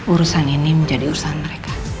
urusan ini menjadi usaha mereka